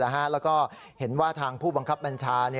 แล้วก็เห็นว่าทางผู้บังคับบัญชา